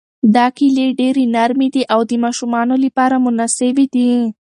دا کیلې ډېرې نرمې دي او د ماشومانو لپاره مناسبې دي.